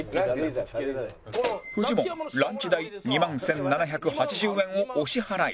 フジモンランチ代２万１７８０円をお支払い